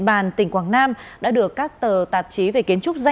và gần như là chính ở đó